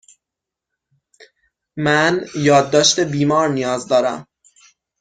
من یادداشت بیمار نیاز دارم.